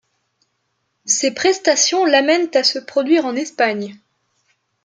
Ses prestations l’amènent à se produire en Espagne.